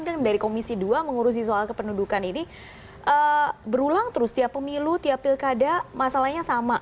dan dari komisi dua mengurusi soal kependudukan ini berulang terus tiap pemilu tiap pilkada masalahnya sama